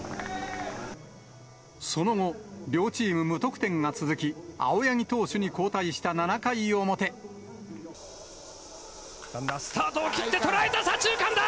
その後、両チーム無得点が続き、ランナー、スタート、切って、捉えた、左中間だ！